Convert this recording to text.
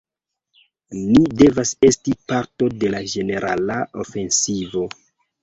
Ni devas esti parto de la ĝenerala ofensivo.